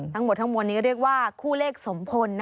ทั้งหมดทั้งมวลนี้ก็เรียกว่าคู่เลขสมพล